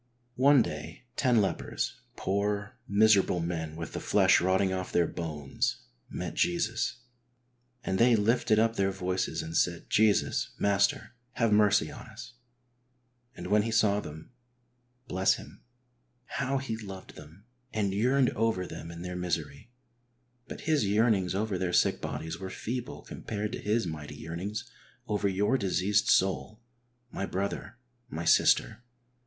One day ten lepers, poor, miserable men with the flesh rotting off their bones, met Jesus, "and they lifted up their voices and said, Jesus, Master, have mercy on us. And when He saw them "— (bless Him !)— how He loved them and yearned over them in their misery ! But His yearnings over their sick bodies were feeble compared to His mighty yearnings over your diseased soul, my brother, my sister.